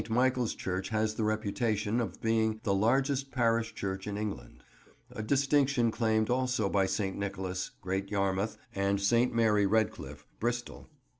Michael's church has the reputation of being the largest parish church in England, a distinction claimed also by St. Nicholas, Great Yarmouth, and St. Mary Redcliffe, Bristol.